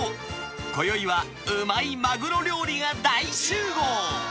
こよいは、うまいマグロ料理が大集合。